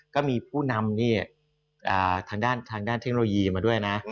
ก็มีผู้นำทางด้านเทคโนโลยีมาด้วยนะ